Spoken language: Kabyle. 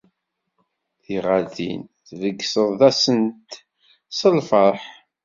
Tiɣaltin, tbegseḍ-asent s lferḥ.